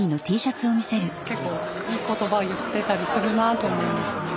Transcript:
結構いい言葉を言ってたりするなと思いますね。